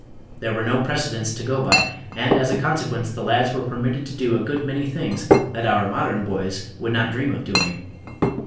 There were no precedents to go by, and as a consequence the lads were permitted to do a good many things that our modern boys would not dream of doing.